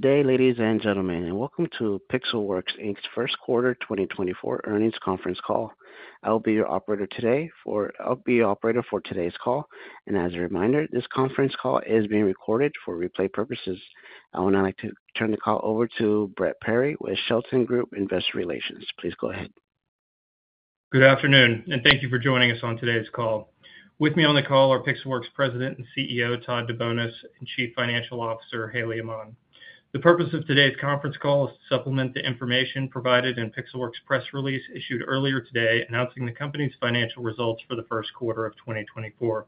Today, ladies and gentlemen, welcome to Pixelworks Inc.'s First Quarter 2024 Earnings Conference Call. I will be your operator today. I'll be your operator for today's call. As a reminder, this conference call is being recorded for replay purposes. I would now like to turn the call over to Brett Perry with Shelton Group Investor Relations. Please go ahead. Good afternoon, and thank you for joining us on today's call. With me on the call are Pixelworks President and CEO Todd DeBonis and Chief Financial Officer Haley Aman. The purpose of today's conference call is to supplement the information provided in Pixelworks' press release issued earlier today announcing the company's financial results for the first quarter of 2024.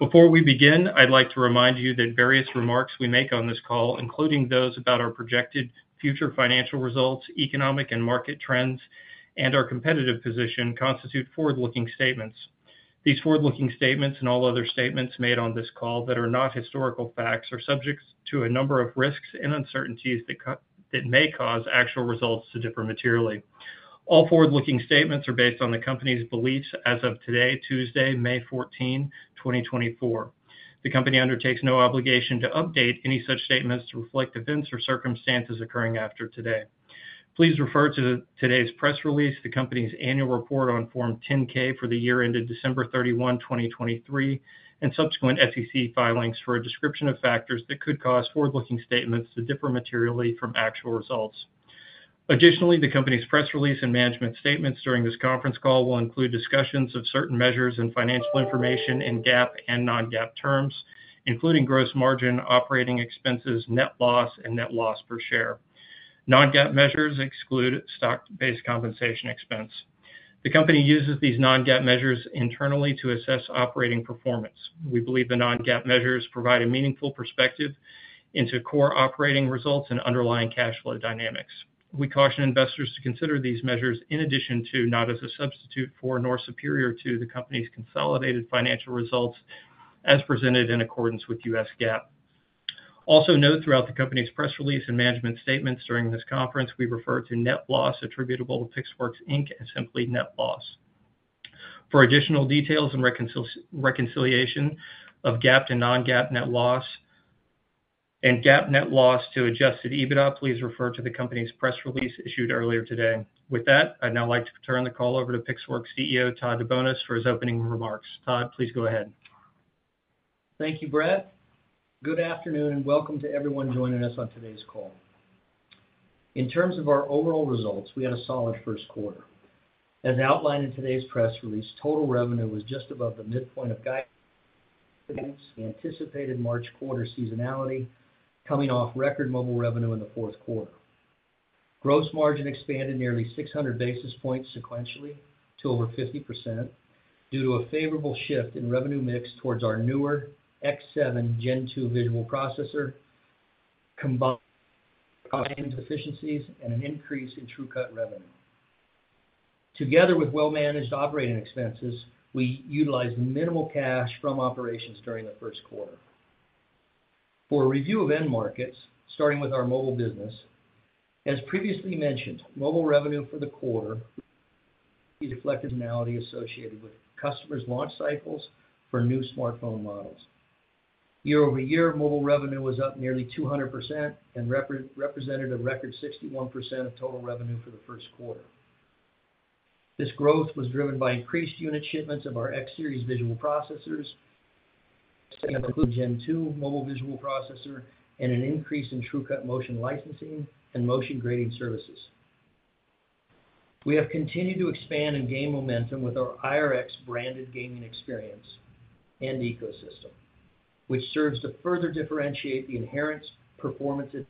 Before we begin, I'd like to remind you that various remarks we make on this call, including those about our projected future financial results, economic and market trends, and our competitive position, constitute forward-looking statements. These forward-looking statements and all other statements made on this call that are not historical facts are subject to a number of risks and uncertainties that may cause actual results to differ materially. All forward-looking statements are based on the company's beliefs as of today, Tuesday, May 14, 2024. The company undertakes no obligation to update any such statements to reflect events or circumstances occurring after today. Please refer to today's press release, the company's annual report on Form 10-K for the year ended December 31, 2023, and subsequent SEC filings for a description of factors that could cause forward-looking statements to differ materially from actual results. Additionally, the company's press release and management statements during this conference call will include discussions of certain measures and financial information in GAAP and non-GAAP terms, including gross margin, operating expenses, net loss, and net loss per share. Non-GAAP measures exclude stock-based compensation expense. The company uses these non-GAAP measures internally to assess operating performance. We believe the non-GAAP measures provide a meaningful perspective into core operating results and underlying cash flow dynamics. We caution investors to consider these measures in addition to, not as a substitute for nor superior to, the company's consolidated financial results as presented in accordance with U.S. GAAP. Also, note throughout the company's press release and management statements during this conference, we refer to net loss attributable to Pixelworks, Inc. as simply net loss. For additional details and reconciliation of GAAP and non-GAAP net loss and GAAP net loss to Adjusted EBITDA, please refer to the company's press release issued earlier today. With that, I'd now like to turn the call over to Pixelworks CEO Todd DeBonis for his opening remarks. Todd, please go ahead. Thank you, Brett. Good afternoon and welcome to everyone joining us on today's call. In terms of our overall results, we had a solid first quarter. As outlined in today's press release, total revenue was just above the midpoint of guidance, the anticipated March quarter seasonality, coming off record mobile revenue in the fourth quarter. Gross margin expanded nearly 600 basis points sequentially to over 50% due to a favorable shift in revenue mix towards our newer X7 Gen 2 visual processor, combined efficiencies, and an increase in TrueCut revenue. Together with well-managed operating expenses, we utilized minimal cash from operations during the first quarter. For a review of end markets, starting with our mobile business, as previously mentioned, mobile revenue for the quarter reflected seasonality associated with customers' launch cycles for new smartphone models. Year-over-year, mobile revenue was up nearly 200% and represented a record 61% of total revenue for the first quarter. This growth was driven by increased unit shipments of our X series visual processors, X7 Gen 2 mobile visual processor, and an increase in TrueCut Motion licensing and Motion Grading services. We have continued to expand and gain momentum with our IRX branded gaming experience and ecosystem, which serves to further differentiate the inherent performance and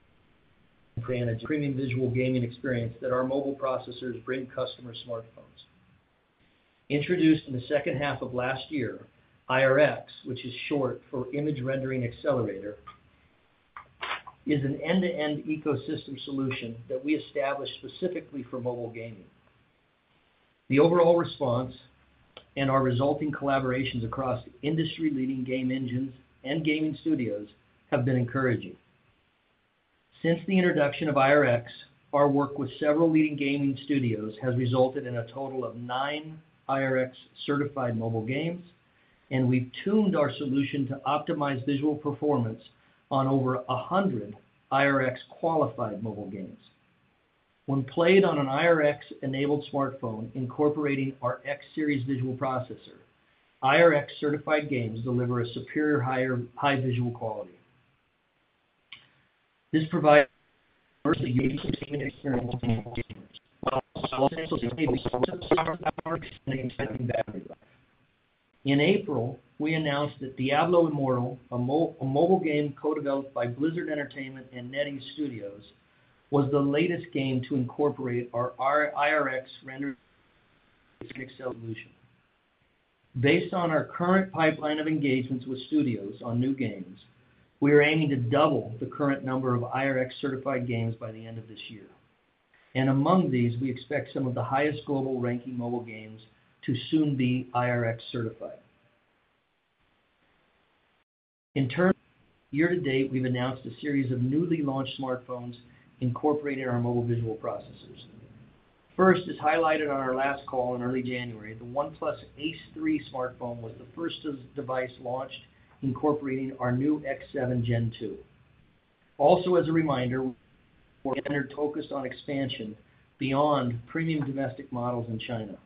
premium visual gaming experience that our mobile processors bring customer smartphones. Introduced in the second half of last year, IRX, which is short for Image Rendering Accelerator, is an end-to-end ecosystem solution that we established specifically for mobile gaming. The overall response and our resulting collaborations across industry-leading game engines and gaming studios have been encouraging. Since the introduction of IRX, our work with several leading gaming studios has resulted in a total of nine IRX-certified mobile games, and we've tuned our solution to optimize visual performance on over 100 IRX-qualified mobile games. When played on an IRX-enabled smartphone incorporating our X series visual processor, IRX-certified games deliver a superior higher high visual quality. This provides a unique gaming experience while also enables in April, we announced that Diablo Immortal, a mobile game co-developed by Blizzard Entertainment and NetEase, was the latest game to incorporate our IRX rendering accelerator solution. Based on our current pipeline of engagements with studios on new games, we are aiming to double the current number of IRX-certified games by the end of this year. And among these, we expect some of the highest global ranking mobile games to soon be IRX-certified. In terms, year to date, we've announced a series of newly launched smartphones incorporating our mobile visual processors. First, as highlighted on our last call in early January, the OnePlus Ace 3 smartphone was the first device launched incorporating our new X7 Gen 2. Also as a reminder, we remain focused on expansion beyond premium domestic models in China.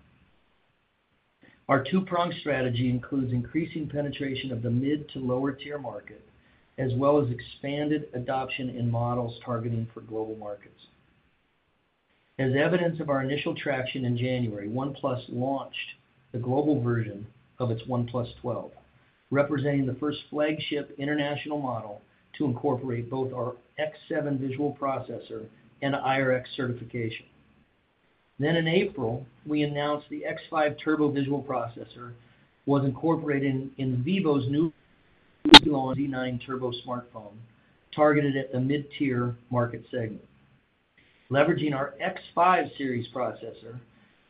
Our two-pronged strategy includes increasing penetration of the mid- to lower-tier market as well as expanded adoption in models targeting global markets. As evidence of our initial traction in January, OnePlus launched the global version of its OnePlus 12, representing the first flagship international model to incorporate both our X7 visual processor and IRX certification. Then in April, we announced the X5 Turbo visual processor was incorporated in Vivo's new iQOO Z9 Turbo smartphone targeted at the mid-tier market segment. Leveraging our X5 series processor,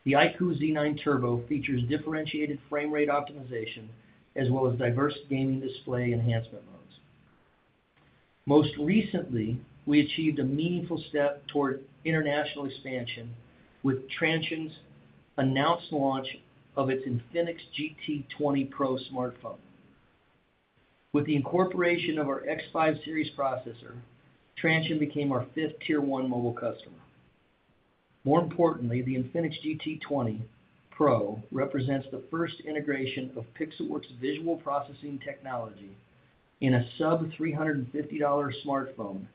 the iQOO Z9 Turbo features differentiated frame rate optimization as well as diverse gaming display enhancement modes. Most recently, we achieved a meaningful step toward international expansion with Transsion's announced launch of its Infinix GT 20 Pro smartphone. With the incorporation of our X5 series processor, Transsion became our fifth tier one mobile customer. More importantly, the Infinix GT 20 Pro represents the first integration of Pixelworks visual processing technology in a sub-$350 smartphone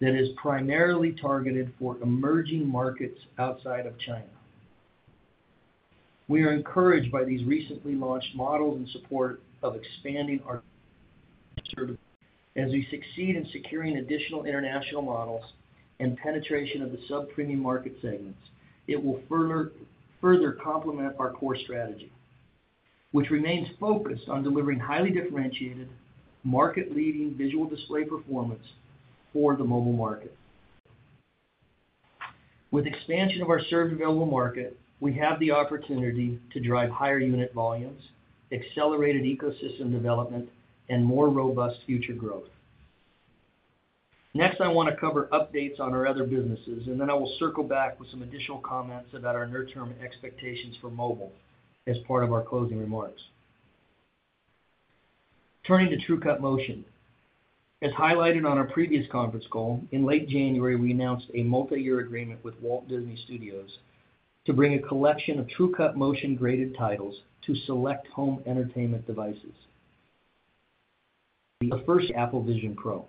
that is primarily targeted for emerging markets outside of China. We are encouraged by these recently launched models and support of expanding our as we succeed in securing additional international models and penetration of the sub-premium market segments, it will further complement our core strategy, which remains focused on delivering highly differentiated market-leading visual display performance for the mobile market. With expansion of our served available market, we have the opportunity to drive higher unit volumes, accelerated ecosystem development, and more robust future growth. Next, I want to cover updates on our other businesses, and then I will circle back with some additional comments about our near-term expectations for mobile as part of our closing remarks. Turning to TrueCut Motion. As highlighted on our previous conference call, in late January, we announced a multi-year agreement with Walt Disney Studios to bring a collection of TrueCut Motion graded titles to select home entertainment devices. The first, Apple Vision Pro.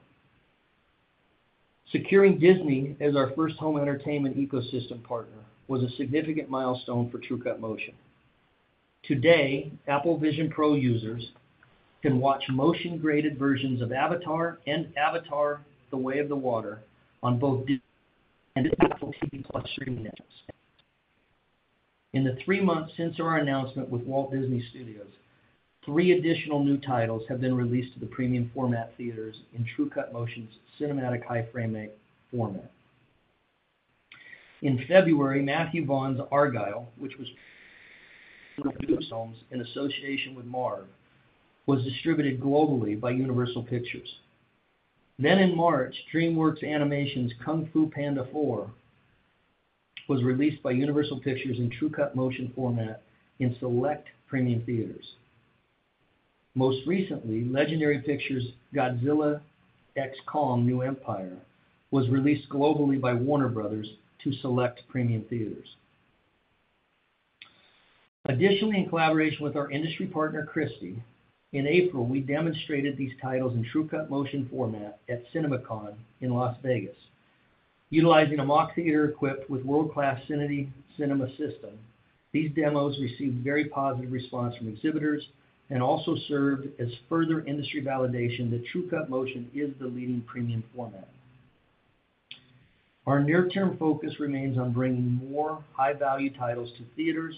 Securing Disney as our first home entertainment ecosystem partner was a significant milestone for TrueCut Motion. Today, Apple Vision Pro users can watch motion graded versions of Avatar and Avatar: The Way of Water on both Disney and Apple TV+ streaming networks. In the three months since our announcement with Walt Disney Studios, three additional new titles have been released to the premium format theaters in TrueCut Motion's cinematic high frame rate format. In February, Matthew Vaughn's Argylle, which was in association with Marv, was distributed globally by Universal Pictures. Then in March, DreamWorks Animation's Kung Fu Panda 4 was released by Universal Pictures in TrueCut Motion format in select premium theaters. Most recently, Legendary Pictures' Godzilla x Kong: The New Empire was released globally by Warner Bros. to select premium theaters. Additionally, in collaboration with our industry partner Christie, in April, we demonstrated these titles in TrueCut Motion format at CinemaCon in Las Vegas. Utilizing a mock theater equipped with world-class Cinity Cinema System, these demos received very positive response from exhibitors and also served as further industry validation that TrueCut Motion is the leading premium format. Our near-term focus remains on bringing more high-value titles to theaters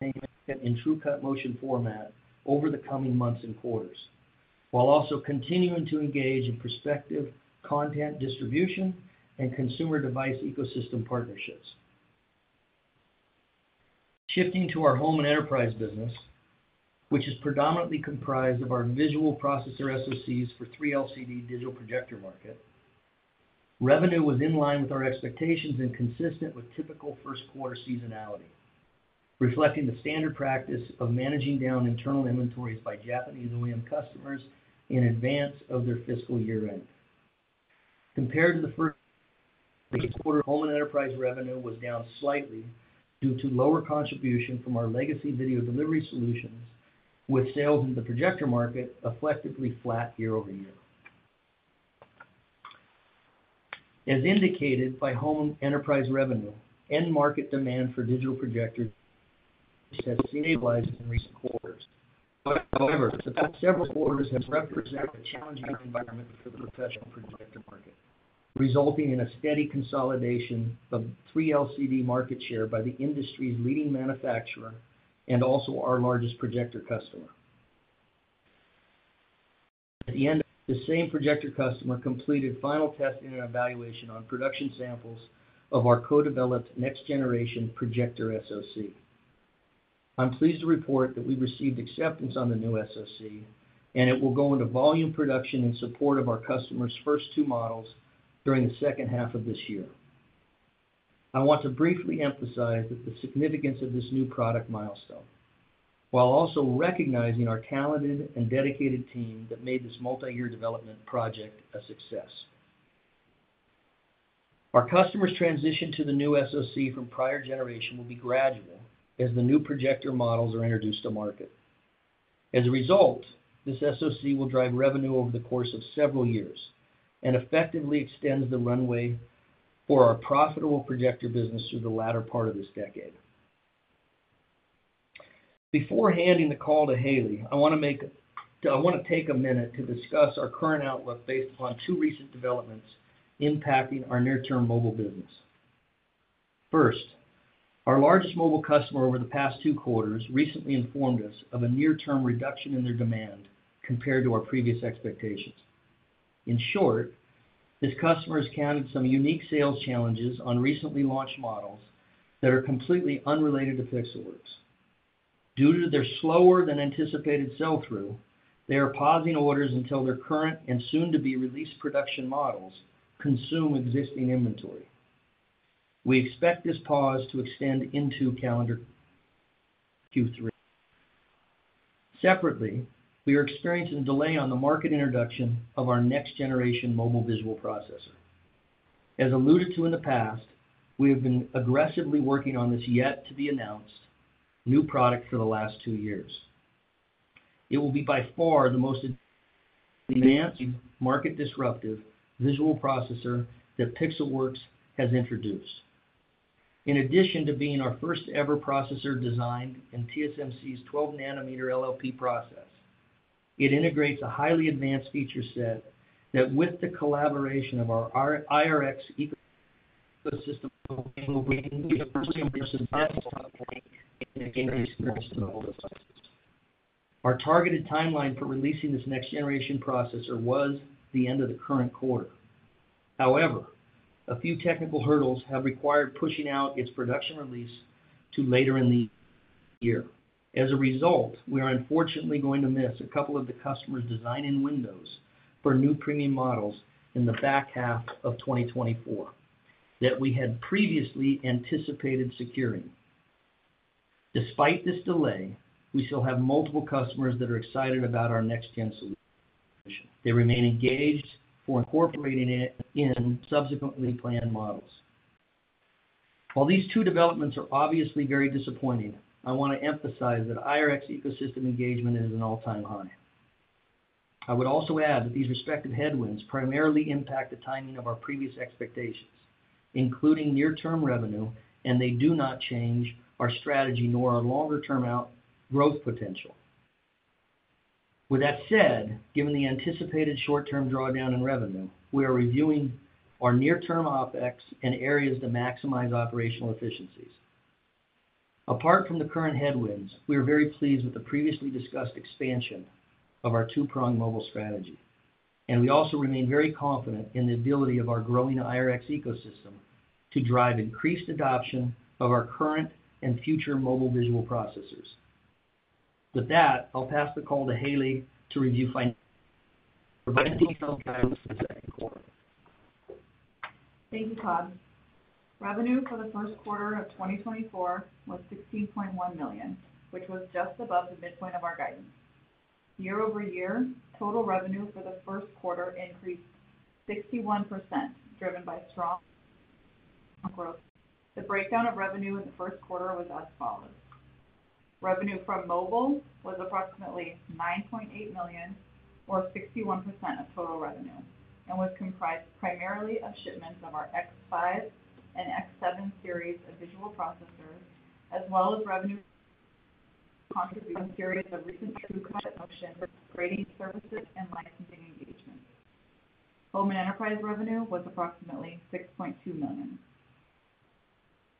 in TrueCut Motion format over the coming months and quarters, while also continuing to engage in prospective content distribution and consumer device ecosystem partnerships. Shifting to our home and enterprise business, which is predominantly comprised of our visual processor SoCs for 3LCD digital projector market, revenue was in line with our expectations and consistent with typical first quarter seasonality, reflecting the standard practice of managing down internal inventories by Japanese OEM customers in advance of their fiscal year-end. Compared to the first quarter, home and enterprise revenue was down slightly due to lower contribution from our legacy video delivery solutions, with sales in the projector market effectively flat year over year. As indicated by home and enterprise revenue, end market demand for digital projectors has stabilized in recent quarters. However, several quarters have represented a challenging environment for the professional projector market, resulting in a steady consolidation of 3LCD market share by the industry's leading manufacturer and also our largest projector customer. At the end, the same projector customer completed final testing and evaluation on production samples of our co-developed next-generation projector SoC. I'm pleased to report that we received acceptance on the new SoC, and it will go into volume production in support of our customer's first two models during the second half of this year. I want to briefly emphasize the significance of this new product milestone, while also recognizing our talented and dedicated team that made this multi-year development project a success. Our customer's transition to the new SoC from prior generation will be gradual as the new projector models are introduced to market. As a result, this SoC will drive revenue over the course of several years and effectively extends the runway for our profitable projector business through the latter part of this decade. Before handing the call to Haley, I want to take a minute to discuss our current outlook based upon two recent developments impacting our near-term mobile business. First, our largest mobile customer over the past two quarters recently informed us of a near-term reduction in their demand compared to our previous expectations. In short, this customer has encountered some unique sales challenges on recently launched models that are completely unrelated to Pixelworks. Due to their slower than anticipated sell-through, they are pausing orders until their current and soon-to-be-released production models consume existing inventory. We expect this pause to extend into calendar Q3. Separately, we are experiencing delay on the market introduction of our next-generation mobile visual processor. As alluded to in the past, we have been aggressively working on this yet-to-be-announced new product for the last two years. It will be by far the most advanced market-disruptive visual processor that Pixelworks has introduced. In addition to being our first-ever processor designed in TSMC's 12-nanometer LLP process, it integrates a highly advanced feature set that, with the collaboration of our IRX ecosystem, will bring a. Our targeted timeline for releasing this next-generation processor was the end of the current quarter. However, a few technical hurdles have required pushing out its production release to later in the year. As a result, we are unfortunately going to miss a couple of the customer's design-in windows for new premium models in the back half of 2024 that we had previously anticipated securing. Despite this delay, we still have multiple customers that are excited about our next-gen solution. They remain engaged for incorporating it in subsequently planned models. While these two developments are obviously very disappointing, I want to emphasize that IRX ecosystem engagement is at an all-time high. I would also add that these respective headwinds primarily impact the timing of our previous expectations, including near-term revenue, and they do not change our strategy nor our longer-term outgrowth potential. With that said, given the anticipated short-term drawdown in revenue, we are reviewing our near-term OpEx in areas to maximize operational efficiencies. Apart from the current headwinds, we are very pleased with the previously discussed expansion of our two-pronged mobile strategy, and we also remain very confident in the ability of our growing IRX ecosystem to drive increased adoption of our current and future mobile visual processors. With that, I'll pass the call to Haley to review details in the second quarter. Thank you, Todd. Revenue for the first quarter of 2024 was $16.1 million, which was just above the midpoint of our guidance. Year-over-year, total revenue for the first quarter increased 61% driven by strong growth. The breakdown of revenue in the first quarter was as follows. Revenue from mobile was approximately $9.8 million, or 61% of total revenue, and was comprised primarily of shipments of our X5 and X7 series of visual processors, as well as revenue contributed from a series of recent TrueCut Motion grading services and licensing engagements. Home and enterprise revenue was approximately $6.2 million.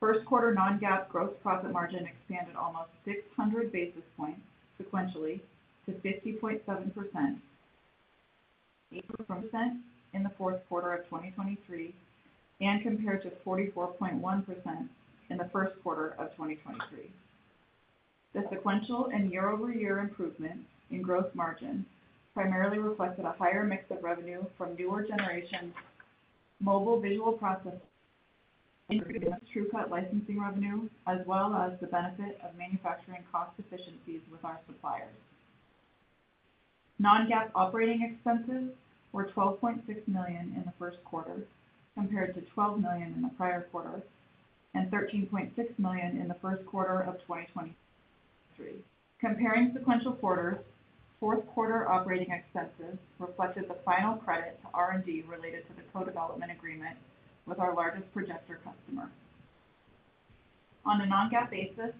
First quarter non-GAAP gross profit margin expanded almost 600 basis points sequentially to 50.7% in the fourth quarter of 2023 and compared to 44.1% in the first quarter of 2023. The sequential and year-over-year improvements in gross margin primarily reflected a higher mix of revenue from newer generation mobile visual processors increasing TrueCut licensing revenue, as well as the benefit of manufacturing cost efficiencies with our suppliers. Non-GAAP operating expenses were $12.6 million in the first quarter compared to $12 million in the prior quarter and $13.6 million in the first quarter of 2023. Comparing sequential quarters, fourth quarter operating expenses reflected the final credit to R&D related to the co-development agreement with our largest projector customer. On a non-GAAP basis,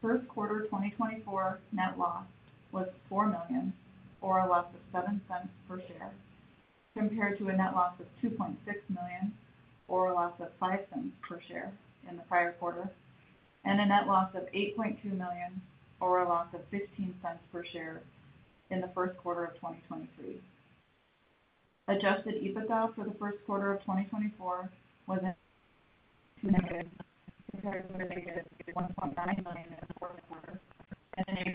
first quarter 2024 net loss was $4 million, or a loss of $0.07 per share, compared to a net loss of $2.6 million, or a loss of $0.05 per share in the prior quarter, and a net loss of $8.2 million, or a loss of $0.15 per share in the first quarter of 2023. Adjusted EBITDA for the first quarter of 2024 was -$1.9 million in the fourth quarter and -$7.8 million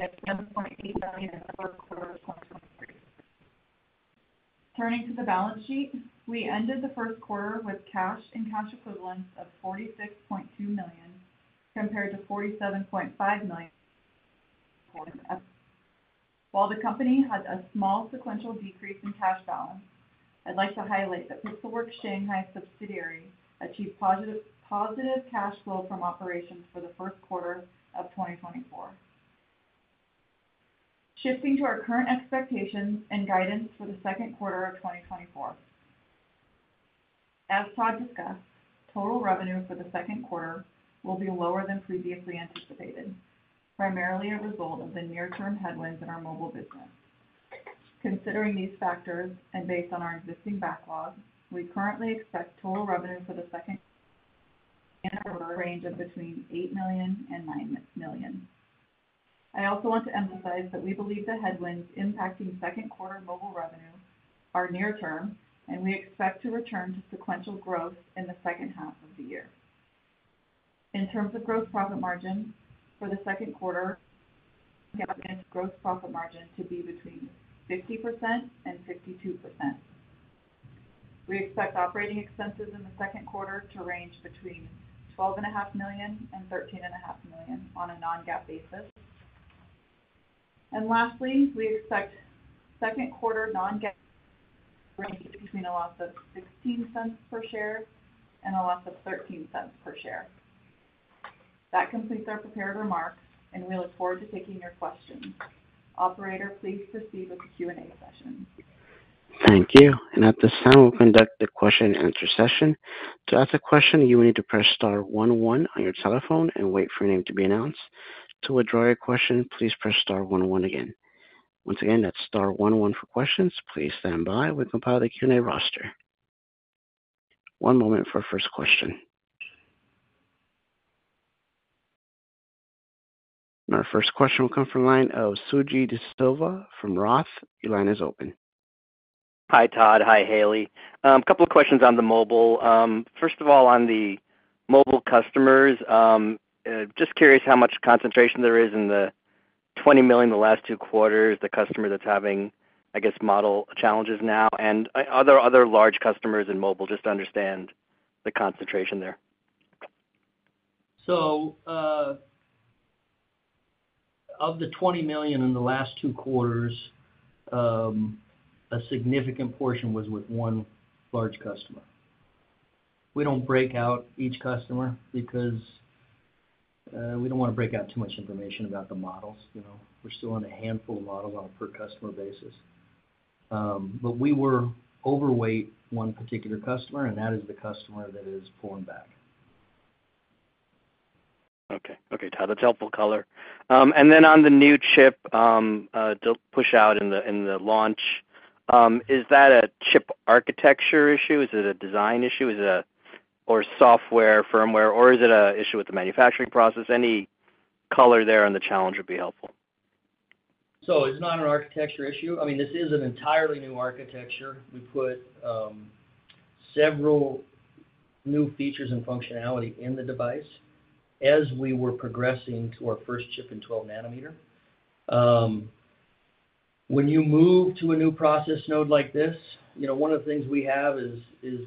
in the third quarter of 2023. Turning to the balance sheet, we ended the first quarter with cash and cash equivalents of $46.2 million compared to $47.5 million in the fourth quarter. While the company had a small sequential decrease in cash balance, I'd like to highlight that Pixelworks Shanghai Subsidiary achieved positive cash flow from operations for the first quarter of 2024. Shifting to our current expectations and guidance for the second quarter of 2024. As Todd discussed, total revenue for the second quarter will be lower than previously anticipated, primarily a result of the near-term headwinds in our mobile business. Considering these factors and based on our existing backlog, we currently expect total revenue for the second quarter in a range of between $8 million and $9 million. I also want to emphasize that we believe the headwinds impacting second quarter mobile revenue are near-term, and we expect to return to sequential growth in the second half of the year. In terms of gross profit margin for the second quarter, we expect gross profit margin to be between 50% and 52%. We expect operating expenses in the second quarter to range between $12.5 million and $13.5 million on a non-GAAP basis. And lastly, we expect second quarter non-GAAP to range between a loss of $0.16 per share and a loss of $0.13 per share. That completes our prepared remarks, and we look forward to taking your questions. Operator, please proceed with the Q&A session. Thank you. And at this time, we'll conduct the question-and-answer session. To ask a question, you will need to press star 11 on your telephone and wait for your name to be announced. To withdraw your question, please press star 11 again. Once again, that's star 11 for questions. Please stand by. We'll compile the Q&A roster. One moment for our first question. Our first question will come from the line of Suji Desilva from Roth. Your line is open. Hi, Todd. Hi, Haley. A couple of questions on the mobile. First of all, on the mobile customers, just curious how much concentration there is in the $20 million in the last two quarters, the customer that's having, I guess, model challenges now, and are there other large customers in mobile just to understand the concentration there? So of the $20 million in the last two quarters, a significant portion was with one large customer. We don't break out each customer because we don't want to break out too much information about the models. We're still on a handful of models on a per-customer basis. But we were overweight one particular customer, and that is the customer that is pulling back. Okay. Okay, Todd. That's helpful color. And then on the new chip push-out in the launch, is that a chip architecture issue? Is it a design issue? Is it software, firmware, or is it an issue with the manufacturing process? Any color there on the challenge would be helpful. So it's not an architecture issue. I mean, this is an entirely new architecture. We put several new features and functionality in the device as we were progressing to our first chip in 12-nanometer. When you move to a new process node like this, one of the things we have is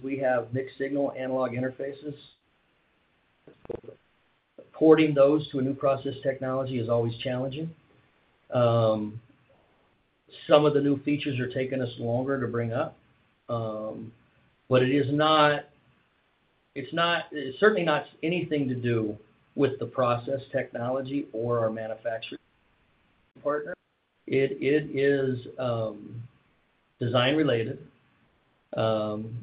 we have mixed signal analog interfaces. Porting those to a new process technology is always challenging. Some of the new features are taking us longer to bring up, but it is certainly not anything to do with the process technology or our manufacturing partner. It is design-related.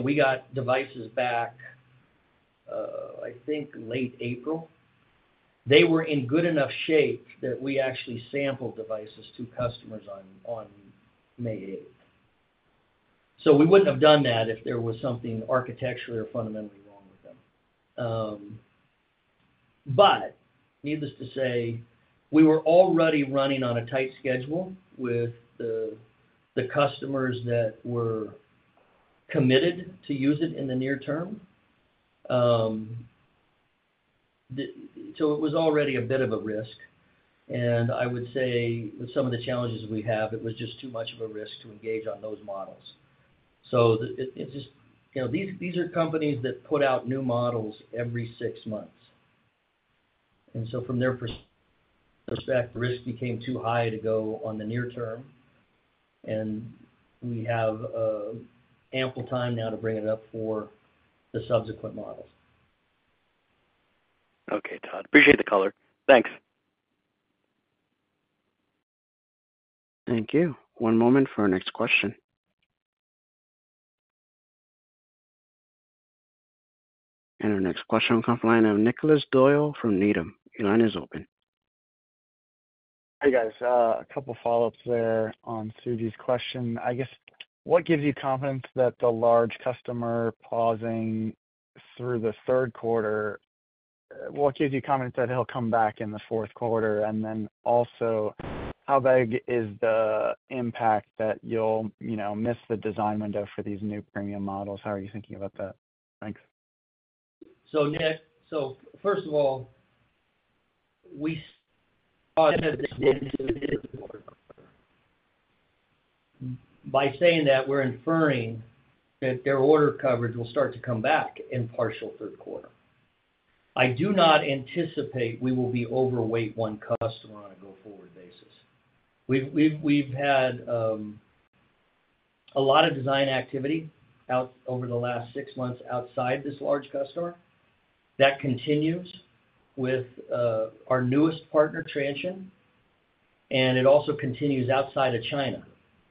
We got devices back, I think, late April. They were in good enough shape that we actually sampled devices to customers on May 8th. So we wouldn't have done that if there was something architecturally or fundamentally wrong with them. But needless to say, we were already running on a tight schedule with the customers that were committed to use it in the near term. So it was already a bit of a risk. And I would say with some of the challenges we have, it was just too much of a risk to engage on those models. So it's just these are companies that put out new models every six months. And so from their perspective, the risk became too high to go on the near term. And we have ample time now to bring it up for the subsequent models. Okay, Todd. Appreciate the color. Thanks. Thank you. One moment for our next question. Our next question on the line, I have Nicholas Doyle from Needham. Your line is open. Hey, guys. A couple of follow-ups there on Suji's question. I guess, what gives you confidence that the large customer pausing through the third quarter, what gives you confidence that he'll come back in the fourth quarter? And then also, how big is the impact that you'll miss the design window for these new premium models? How are you thinking about that? Thanks. First of all, we saw an advantage in the third quarter. By saying that, we're inferring that their order coverage will start to come back in partial third quarter. I do not anticipate we will be overweight one customer on a go-forward basis. We've had a lot of design activity over the last six months outside this large customer. That continues with our newest partner, Transsion, and it also continues outside of China,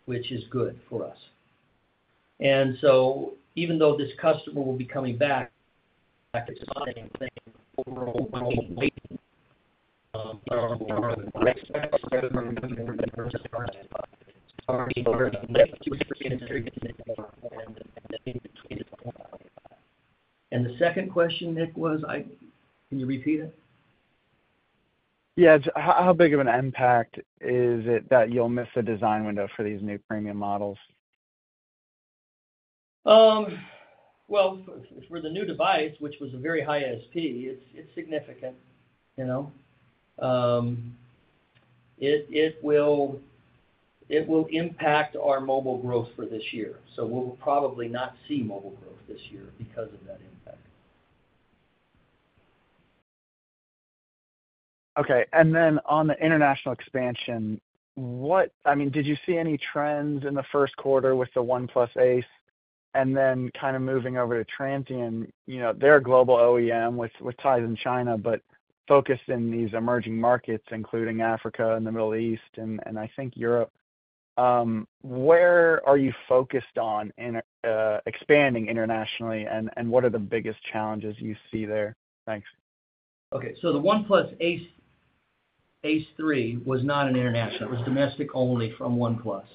which is good for us. So even though this customer will be coming back, it's the same thing overall. The second question, Nick, was can you repeat it? Yeah. How big of an impact is it that you'll miss a design window for these new premium models? Well, for the new device, which was a very high SP, it's significant. It will impact our mobile growth for this year. So we'll probably not see mobile growth this year because of that impact. Okay. And then on the international expansion, what I mean, did you see any trends in the first quarter with the OnePlus Ace and then kind of moving over to Transsion? They're a global OEM with ties in China, but focused in these emerging markets, including Africa and the Middle East and I think Europe. Where are you focused on expanding internationally, and what are the biggest challenges you see there? Thanks. Okay. So the OnePlus Ace 3 was not an international. It was domestic only from OnePlus.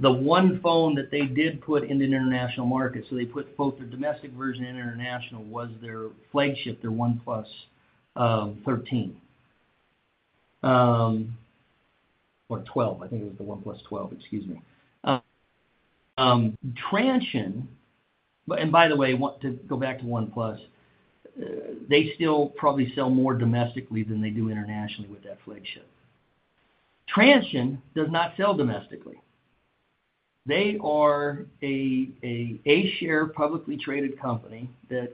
The one phone that they did put in the international market so they put both the domestic version and international was their flagship, their OnePlus 13 or 12. I think it was the OnePlus 12. Excuse me. Transsion and by the way, to go back to OnePlus, they still probably sell more domestically than they do internationally with that flagship. Transsion does not sell domestically. They are an A-share publicly traded company that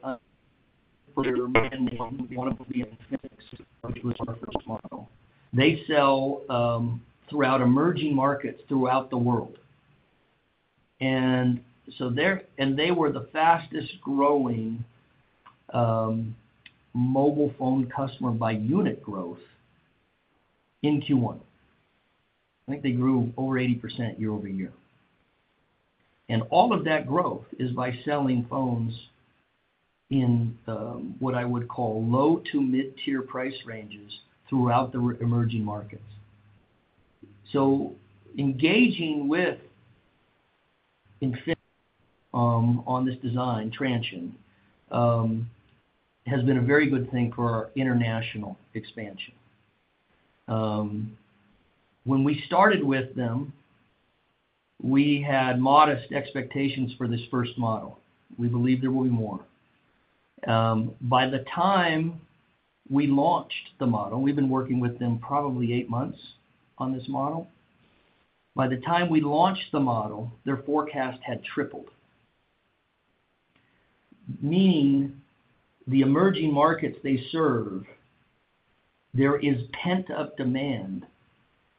under their brand name, one of them being Infinix, which was our first model. They sell throughout emerging markets throughout the world. They were the fastest-growing mobile phone customer by unit growth in Q1. I think they grew over 80% year-over-year. All of that growth is by selling phones in what I would call low-to-mid-tier price ranges throughout the emerging markets. Engaging with Infinix on this design, Transsion, has been a very good thing for our international expansion. When we started with them, we had modest expectations for this first model. We believed there would be more. By the time we launched the model we've been working with them probably eight months on this model. By the time we launched the model, their forecast had tripled. Meaning the emerging markets they serve, there is pent-up demand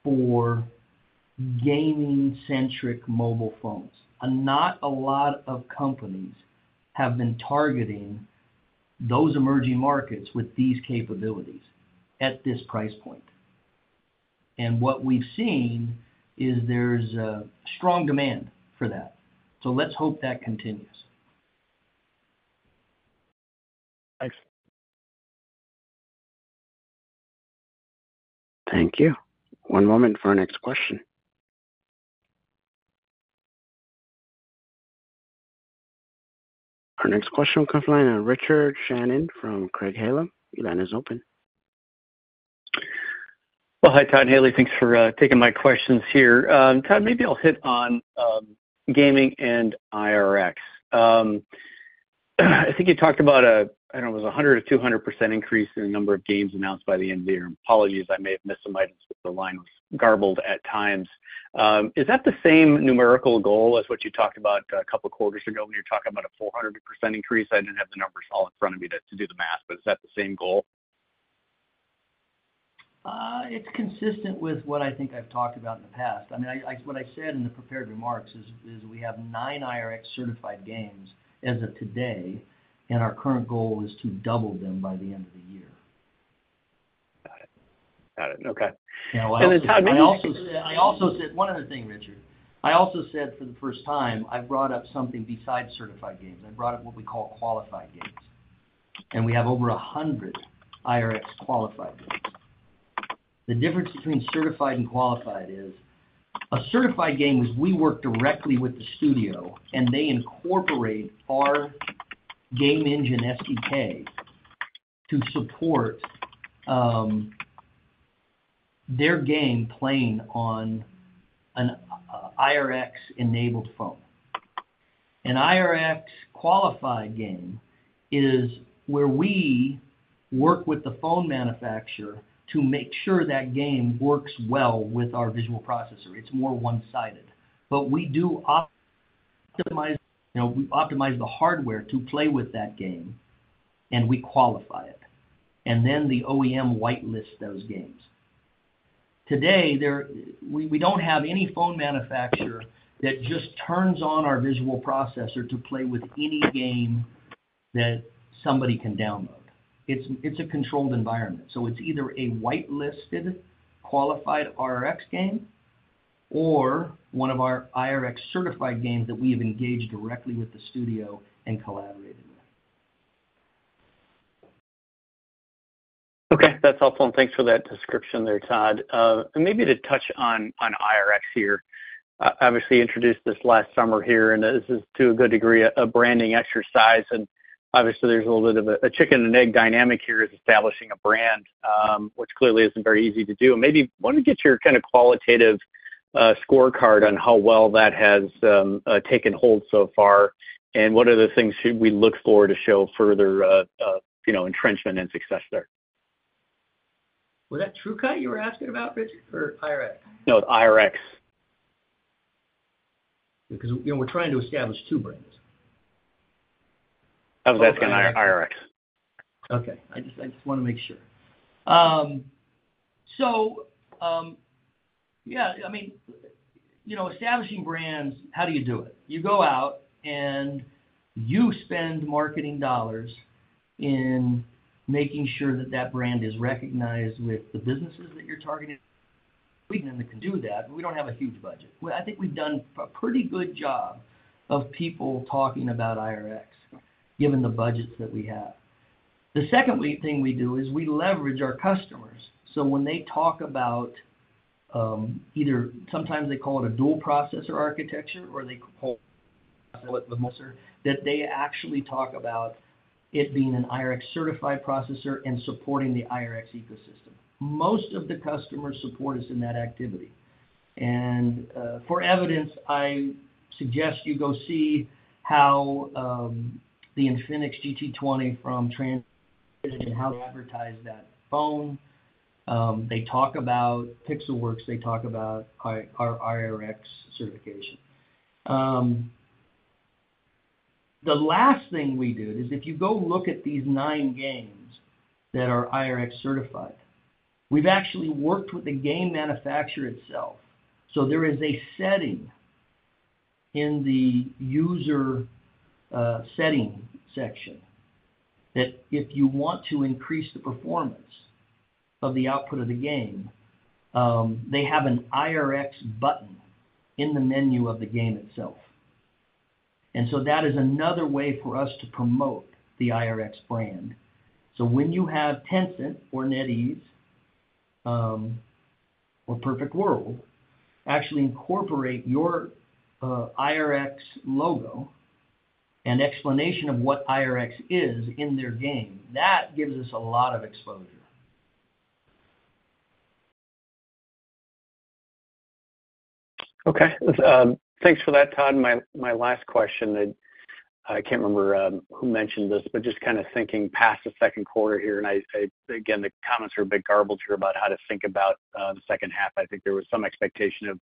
for gaming-centric mobile phones. Not a lot of companies have been targeting those emerging markets with these capabilities at this price point. What we've seen is there's strong demand for that. Let's hope that continues. Thanks. Thank you. One moment for our next question. Our next question on the line is Richard Shannon from Craig-Hallum. Your line is open. Well, hi, Todd and Haley. Thanks for taking my questions here. Todd, maybe I'll hit on gaming and IRX. I think you talked about a, I don't know, it was 100% or 200% increase in the number of games announced by the NVIDIA. Apologies, I may have missed some items because the line was garbled at times. Is that the same numerical goal as what you talked about a couple of quarters ago when you were talking about a 400% increase? I didn't have the numbers all in front of me to do the math, but is that the same goal? It's consistent with what I think I've talked about in the past. I mean, what I said in the prepared remarks is we have 9 IRX-certified games as of today, and our current goal is to double them by the end of the year. Got it. Got it. Okay. And then Todd, maybe. I also said one other thing, Richard. I also said for the first time, I've brought up something besides certified games. I've brought up what we call qualified games. And we have over 100 IRX-qualified games. The difference between certified and qualified is a certified game is we work directly with the studio, and they incorporate our game engine SDK to support their game playing on an IRX-enabled phone. An IRX-qualified game is where we work with the phone manufacturer to make sure that game works well with our visual processor. It's more one-sided. But we do optimize the hardware to play with that game, and we qualify it. Then the OEM whitelists those games. Today, we don't have any phone manufacturer that just turns on our visual processor to play with any game that somebody can download. It's a controlled environment. It's either a whitelisted qualified IRX game or one of our IRX-certified games that we have engaged directly with the studio and collaborated with. Okay. That's helpful. Thanks for that description there, Todd. Maybe to touch on IRX here. Obviously, you introduced this last summer here, and this is to a good degree a branding exercise. Obviously, there's a little bit of a chicken-and-egg dynamic here as establishing a brand, which clearly isn't very easy to do. Maybe I want to get your kind of qualitative scorecard on how well that has taken hold so far and what are the things we look forward to show further entrenchment and success there. Was that TrueCut you were asking about, Richard, or IRX? No, IRX. Because we're trying to establish two brands. I was asking IRX. Okay. I just want to make sure. So yeah, I mean, establishing brands, how do you do it? You go out, and you spend marketing dollars in making sure that that brand is recognized with the businesses that you're targeting. And they can do that, but we don't have a huge budget. I think we've done a pretty good job of people talking about IRX given the budgets that we have. The second thing we do is we leverage our customers. So when they talk about either sometimes they call it a dual processor architecture, or they call it a dual processor that they actually talk about it being an IRX-certified processor and supporting the IRX ecosystem. Most of the customer support is in that activity. And for evidence, I suggest you go see how the Infinix GT20 from Transsion and how they advertise that phone. They talk about Pixelworks. They talk about our IRX certification. The last thing we did is if you go look at these nine games that are IRX-certified, we've actually worked with the game manufacturer itself. So there is a setting in the user setting section that if you want to increase the performance of the output of the game, they have an IRX button in the menu of the game itself. And so that is another way for us to promote the IRX brand. So when you have Tencent or NetEase or Perfect World actually incorporate your IRX logo and explanation of what IRX is in their game, that gives us a lot of exposure. Okay. Thanks for that, Todd. My last question I can't remember who mentioned this, but just kind of thinking past the second quarter here. And again, the comments were a bit garbled here about how to think about the second half. I think there was some expectation of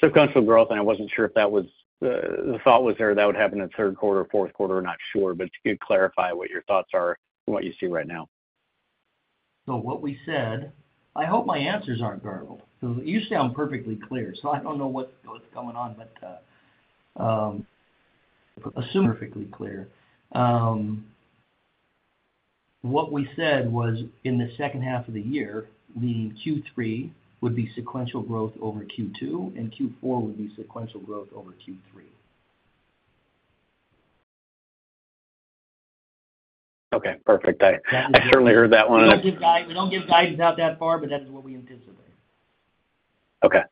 sequential growth, and I wasn't sure if that was the thought was there that would happen in the third quarter or fourth quarter. I'm not sure, but to clarify what your thoughts are on what you see right now. So what we said I hope my answers aren't garbled because usually, I'm perfectly clear. So I don't know what's going on, but assuming I'm perfectly clear, what we said was in the second half of the year, the Q3 would be sequential growth over Q2, and Q4 would be sequential growth over Q3. Okay. Perfect. I certainly heard that one. We don't give guidance out that far, but that is what we anticipate. Okay.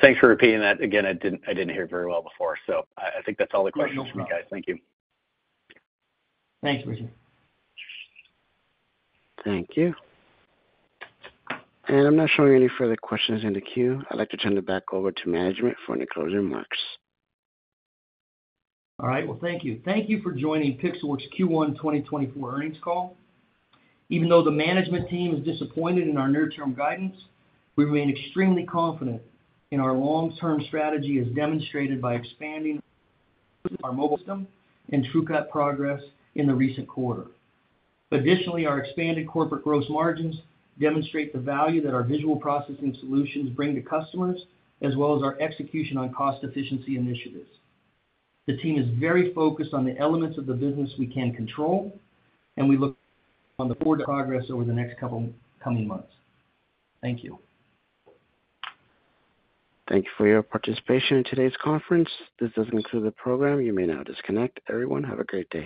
Thanks for repeating that. Again, I didn't hear very well before, so I think that's all the questions for me, guys. Thank you. Thanks, Richard. Thank you. And I'm not showing any further questions in the queue. I'd like to turn it back over to management for any closing remarks. All right. Well, thank you. Thank you for joining Pixelworks Q1 2024 earnings call. Even though the management team is disappointed in our near-term guidance, we remain extremely confident in our long-term strategy as demonstrated by expanding our mobile system and TrueCut progress in the recent quarter. Additionally, our expanded corporate gross margins demonstrate the value that our visual processing solutions bring to customers as well as our execution on cost-efficiency initiatives. The team is very focused on the elements of the business we can control, and we look on the forward progress over the next couple of coming months. Thank you. Thank you for your participation in today's conference. This doesn't include the program. You may now disconnect. Everyone, have a great day.